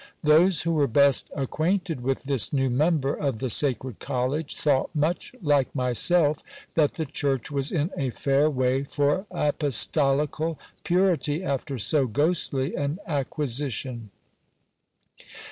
Those who were best ac quainted with this new member of the sacred college, thought much like myself, that the church was in a fair way for apostolical purity, after so ghostly an acquisition.